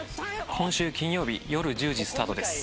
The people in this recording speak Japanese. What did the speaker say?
今週金曜日よる１０時スタートです